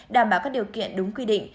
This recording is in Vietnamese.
đảm bảo các điều kiện đúng quy định